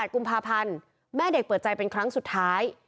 กุมภาพันธ์แม่เด็กเปิดใจเป็นครั้งสุดท้าย